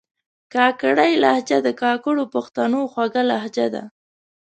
کاکړۍ لهجه د کاکړو پښتنو خوږه لهجه ده